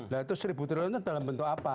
nah itu seribu triliun itu dalam bentuk apa